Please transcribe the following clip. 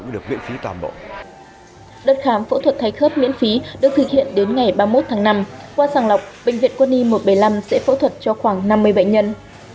đợt khám phẫu thuật thay khớp miễn phí được thực hiện đến ngày ba mươi một tháng năm qua sàng lọc bệnh viện quân y một trăm bảy mươi năm sẽ phẫu thuật cho khoảng năm mươi bệnh nhân